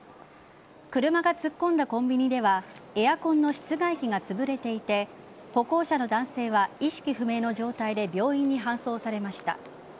車が突っ込んだコンビニではエアコンの室外機がつぶれていて歩行者の男性が意識不明の状態で病院に搬送されました。